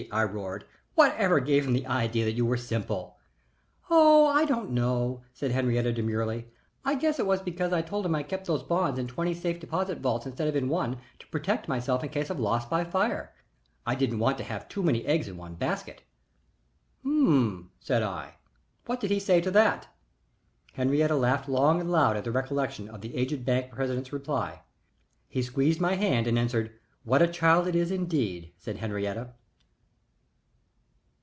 I roared. "What ever gave him the idea that you were simple?" "Oh I don't know," said Henriette, demurely. "I guess it was because I told him I kept those bonds in twenty safe deposit vaults instead of in one, to protect myself in case of loss by fire I didn't want to have too many eggs in one basket." "H'm!" said I. "What did he say to that?" Henriette laughed long and loud at the recollection of the aged bank president's reply. "He squeezed my hand and answered, 'What a child it is, indeed!'" said Henriette.